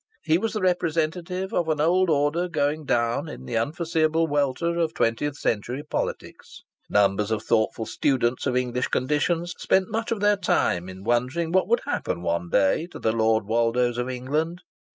He was the representative of an old order going down in the unforeseeable welter of twentieth century politics. Numbers of thoughtful students of English conditions spent much of their time in wondering what would happen one day to the Lord Woldos of England.